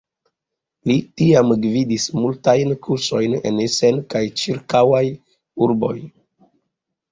Li tiam gvidis multajn kursojn en Essen kaj ĉirkaŭaj urboj.